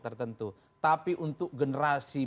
tertentu tapi untuk generasi